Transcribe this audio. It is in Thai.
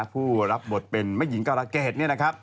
ผู้รับบทเป็นแม่หญิงกรเกษ